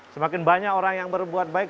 semakin banyak orang yang berbuat baik